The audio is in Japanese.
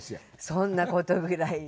そんな事ぐらい。